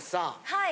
はい。